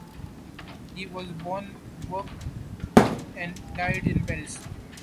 He was born, worked, and died in Paris.